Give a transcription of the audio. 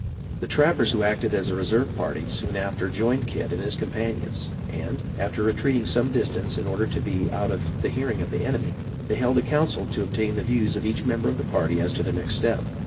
The trappers who acted as a reserve party soon after joined Kit and his companions; and, after retreating some distance in order to be out of the hearing of the enemy, they held a council to obtain the views of each member of the party as to their next step.